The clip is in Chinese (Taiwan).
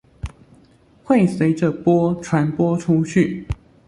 會隨著波傳播出去